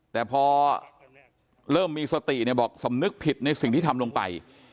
แต่พอเริ่มมีสติเนี่ยบอกสำนึกผิดในสิ่งที่ทำลงไป